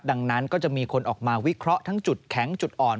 ดังนั้นก็จะมีคนออกมาวิเคราะห์ทั้งจุดแข็งจุดอ่อน